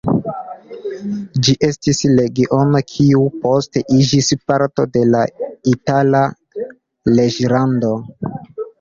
Ĝi estis regiono, kiu poste iĝis parto de la Itala reĝlando.